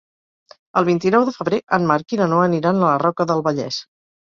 El vint-i-nou de febrer en Marc i na Noa aniran a la Roca del Vallès.